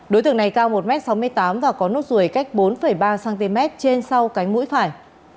đối tượng này cao một m sáu mươi tám và có nốt ruồi cách bốn ba cm trên sau cánh mũi phải